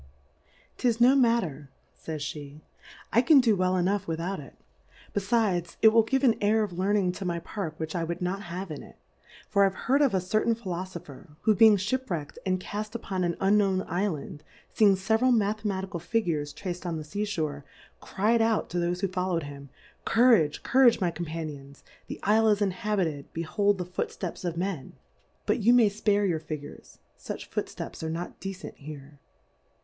'Tis no matter, (ajs(Jje, I can do well enough without it ; befides it will give an Air of Learn ing to my Park which I would not have in ic : For I've heard of a certain Philo fopher, who being Shipwrack'd, and caft upon an unknown Ifland, feeing feveral Mathematical Figures traced on the Sea fliore, cry'd out to thofe who foUow'd him, Cour^ge^ Courage^ my Com^anions^ the I/le is inhalited^ he hold the foot ft e^s of Men. But you may C Iparc ^6 Difcourfes on the fpare your Figures, fuch Footfteps are not decent here.